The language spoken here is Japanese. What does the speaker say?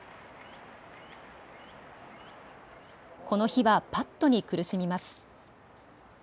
この日はパットに苦しみます。